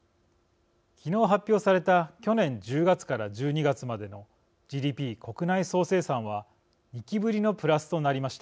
昨日、発表された去年１０月から１２月までのＧＤＰ＝国内総生産は２期ぶりのプラスとなりました。